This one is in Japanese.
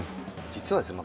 実はですね